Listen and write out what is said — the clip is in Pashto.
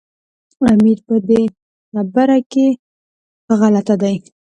امیر په دې خبره کې په غلطه دی.